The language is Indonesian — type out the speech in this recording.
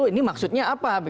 ini maksudnya apa